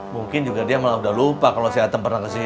mungkin juga dia malah udah lupa kalau saya datang pernah kesini